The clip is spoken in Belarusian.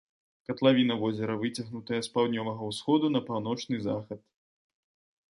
Катлавіна возера выцягнутая з паўднёвага ўсходу на паўночны захад.